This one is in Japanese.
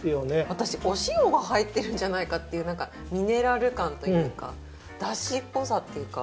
私お塩が入ってるんじゃないかっていうなんかミネラル感というかだしっぽさっていうか